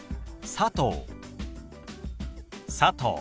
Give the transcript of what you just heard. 「佐藤」。